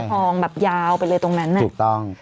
ทองแบบยาวไปเลยตรงนั้นน่ะถูกต้อง